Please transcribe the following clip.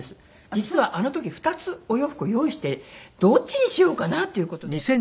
実はあの時２つお洋服を用意してどっちにしようかな？っていう事でこれ。